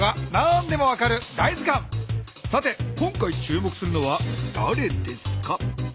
さて今回注目するのはだれですか？